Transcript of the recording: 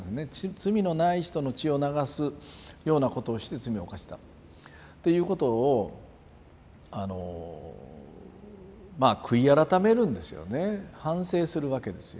罪のない人の血を流すようなことをして罪を犯したっていうことをまあ悔い改めるんですよね反省するわけですよ。